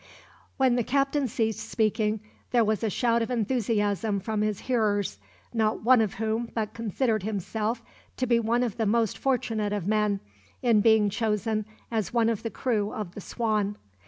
'" When the captain ceased speaking, there was a shout of enthusiasm from his hearers; not one of whom but considered himself to be one of the most fortunate of men, in being chosen as one of the crew of the Swan.